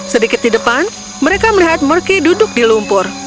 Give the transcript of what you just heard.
sedikit di depan mereka melihat murki duduk di lumpur